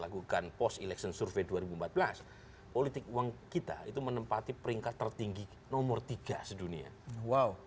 buffet dua ribu empat belas politik uang kita itu menempati peringkat tertinggi nomor tiga sedunia wow